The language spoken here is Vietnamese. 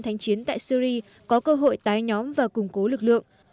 chiến tại syri có cơ hội tái nhóm và củng cố lực lượng